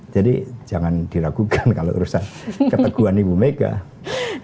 jadi jangan diragukan kalau urusan keteguhan ibu megan